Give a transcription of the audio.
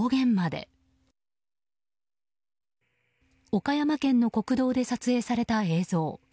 岡山県の国道で撮影された映像。